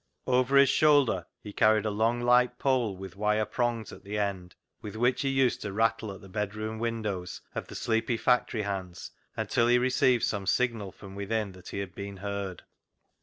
Over his shoulder he carried a long, light pole, with wire prongs at the end, with which he used to rattle at the bedroom windows of the sleepy factory hands until he received some signal from within that he had been heard.